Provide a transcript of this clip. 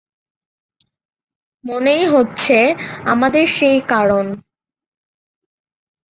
মনই হচ্ছে আমাদের সেই করণ।